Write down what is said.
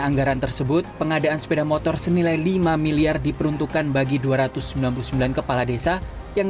anggaran tersebut pengadaan sepeda motor senilai lima miliar diperuntukkan bagi dua ratus sembilan puluh sembilan kepala desa yang